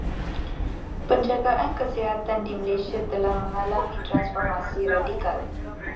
Penjagaan kesihatan di Malaysia telah mengalami transformasi radikal.